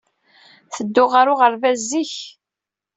Ttedduɣ ɣer uɣerbaz zik.